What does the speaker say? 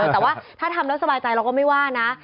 แต่ว่าถ้าทำแล้วสบายใจเราก็ไม่ว่านะ